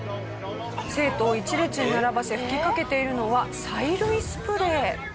生徒を１列に並ばせ吹きかけているのは催涙スプレー。